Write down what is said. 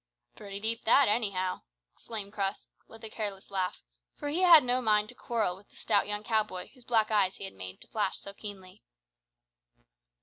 "Pretty deep that, anyhow!" exclaimed Crux, with a careless laugh, for he had no mind to quarrel with the stout young cow boy whose black eyes he had made to flash so keenly.